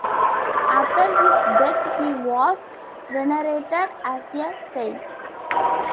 After his death he was venerated as a saint.